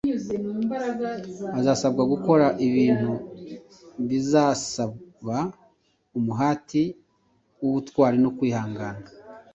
azasabwa gukora ibintu bizasaba umuhati w’ubutwari no kwihangana.